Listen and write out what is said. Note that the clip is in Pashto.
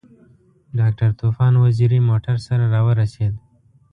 ډاکټر طوفان وزیری موټر سره راورسېد.